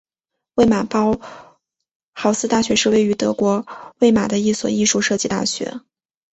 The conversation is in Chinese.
魏玛包豪斯大学是位于德国魏玛的一所艺术设计大学。